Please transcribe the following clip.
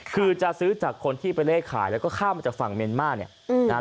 คือจะซื้อจากคนที่ไปเลขขายแล้วก็ข้ามมาจากฝั่งเมียนมาร์เนี่ยนะฮะ